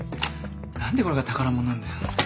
何でこれが宝物なんだよ。